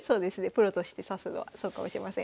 プロとして指すのはそうかもしれません。